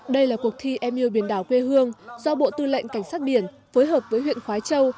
đây là cuộc thi em yêu biển đảo quê hương do bộ tư lệnh cảnh sát biển phối hợp với huyện khói châu